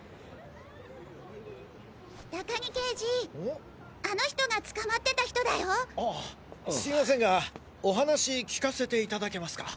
高木刑事あの人が捕まってた人だよ！ああすみませんがお話聞かせていただけますか？